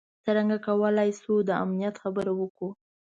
څرنګه کولای شو د امنیت خبره وکړو.